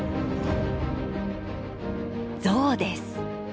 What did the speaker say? ゾウです。